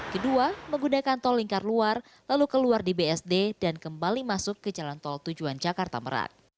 kedua menggunakan tol lingkar luar lalu keluar di bsd dan kembali masuk ke jalan tol tujuan jakarta merak